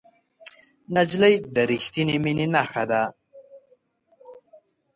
نجلۍ د رښتینې مینې نښه ده.